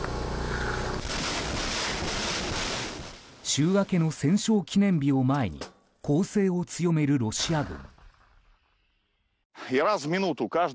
週明けの戦勝記念日を前に攻勢を強めるロシア軍。